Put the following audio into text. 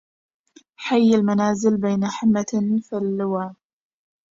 حي المنازل بين حمة فاللوى